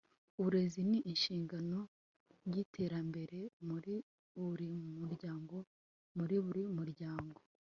uburezi ni ishingiro ry'iterambere, muri buri muryango, muri buri muryango